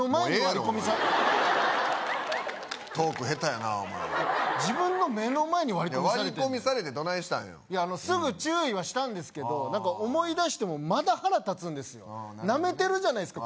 お前トーク下手やなお前自分の目の前に割り込みされて割り込みされてどないしたんよすぐ注意はしたんですけど思い出してもまだ腹立つんですよナメてるじゃないですか